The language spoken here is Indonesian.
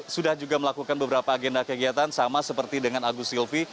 sudah juga melakukan beberapa agenda kegiatan sama seperti dengan agus silvi